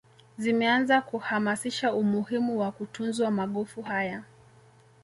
zimeanza kuhamasisha umuhimu wa kutunzwa magofu haya